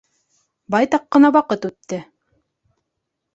Байтаҡ ҡына ваҡыт үтте.